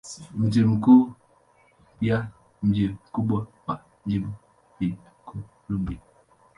Mji mkuu pia mji mkubwa wa jimbo ni Columbia.